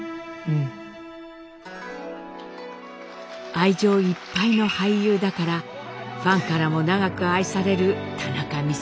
愛情いっぱいの俳優だからファンからも長く愛される田中美佐子さん。